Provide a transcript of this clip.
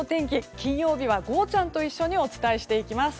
金曜日はゴーちゃん。と一緒にお伝えしていきます。